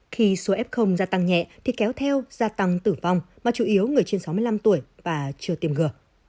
khi số f gia tăng nhẹ thì kéo theo gia tăng tử vong mà chủ yếu người trên sáu mươi năm tuổi và chưa tiêm ngừa